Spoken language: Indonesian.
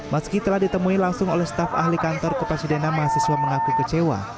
meski telah ditemui langsung oleh staf ahli kantor kepresidenan mahasiswa mengaku kecewa